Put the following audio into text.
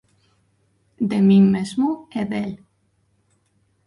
De min mesmo e del!